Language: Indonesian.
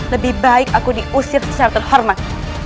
lebih baik aku diusir secara terhormat